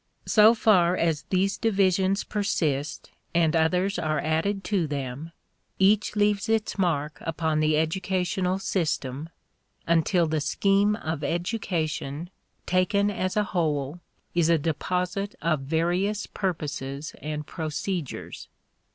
So far as these divisions persist and others are added to them, each leaves its mark upon the educational system, until the scheme of education, taken as a whole, is a deposit of various purposes and procedures.